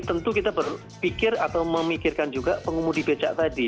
tentu kita berpikir atau memikirkan juga pengemudi becak tadi